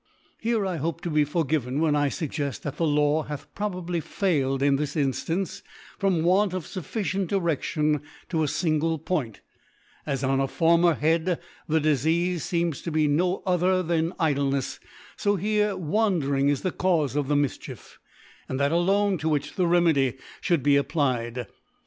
G 5 Here »v ..( 130 ) Here I hope to be forgivcn^^ when I lug ged, that the Law hath probably failed in this Inftance, from Want of fufficient Di reftion to a Gngle Point. As on a former Head, theDifeafe feems to be no other than Idknefsy fo here fVandering is the Caufe of the Mifchief, and that alone to which the Remedy fhculd be applied.